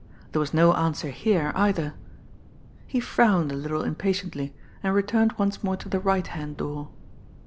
There was no answer here, either. He frowned a little impatiently, and returned once more to the right hand door.